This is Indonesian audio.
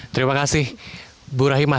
terima kasih bu rahimah